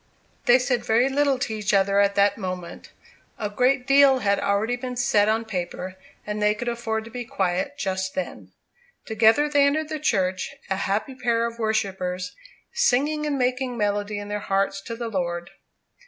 They said very little to each other at that moment. A great deal had already been said on paper, and they could afford to be quiet just then. Together they entered the church, a happy pair of worshippers, "singing and making melody in their hearts to the Lord."